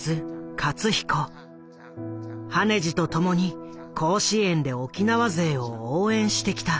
羽地と共に甲子園で沖縄勢を応援してきた。